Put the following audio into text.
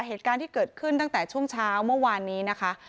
เหตุการณ์ที่เกิดขึ้นตั้งแต่ช่วงเช้าเมื่อวานนี้นะคะ